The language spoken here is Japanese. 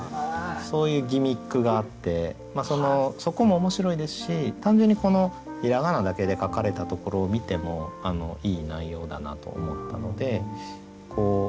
そういうギミックがあってそこも面白いですし単純にこのひらがなだけで書かれたところを見てもいい内容だなと思ったので。